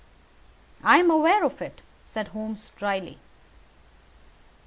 "I was aware of it," said Holmes, dryly.